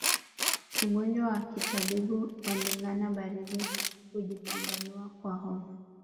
Ungojwa wa kitabibu wa ndigana baridi hujipambanua kwa homa